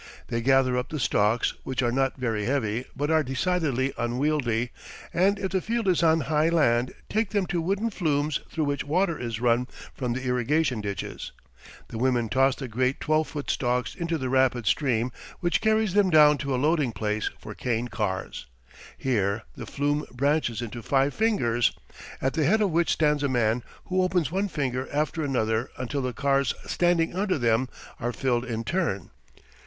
They gather up the stalks, which are not very heavy but are decidedly unwieldy, and if the field is on high land take them to wooden flumes through which water is run from the irrigation ditches. The women toss the great twelve foot stalks into the rapid stream which carries them down to a loading place for cane cars. Here the flume branches into five "fingers," at the head of which stands a man who opens one finger after another, until the cars standing under them are filled in turn.